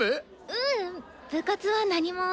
ううん部活は何も。